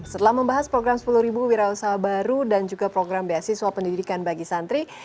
setelah membahas program sepuluh wira usaha baru dan juga program beasiswa pendidikan bagi santri